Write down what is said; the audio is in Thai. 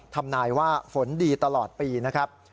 ทำนายว่าฝนดีตลอดปีนะครับ